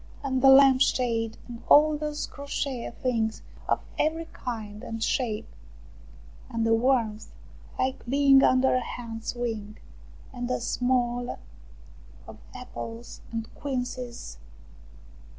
And the lamp shade, and all those crochet things of every kind and shape ! And the warmth, like being under a hen's wing, and a smell of apples and quinces